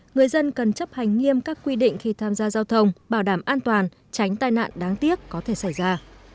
người dân cần chấp hành nghiêm các quy định khi tham gia giao thông bảo đảm an toàn tránh tai nạn đáng tiếc có thể xảy ra